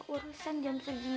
urusan jam segini ya